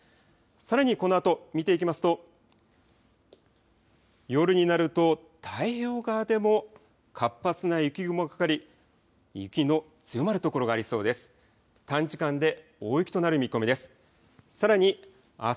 さらにこのあと見ていきますと夜になると太平洋側でも活発な雪雲がかかり、雪の強まる所がありそうです。